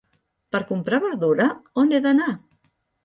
Per comprar verdura, on he d'anar?